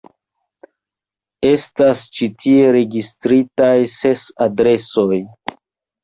Estas ĉi tie registritaj ses adresoj.